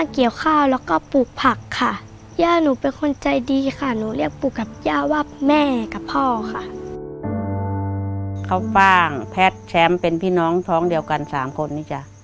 เขาฟ่างแพทย์แชมป์เป็นพี่น้องท้องเดียวกัน๓คนนี้จ้ะ